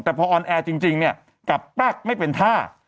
แต่พอออนแอร์จริงเนี่ยกลับแป๊กไม่เป็นท่า